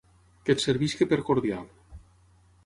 Que et serveixi per cordial.